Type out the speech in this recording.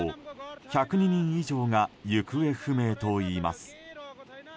１０２人以上が行方不明といいます。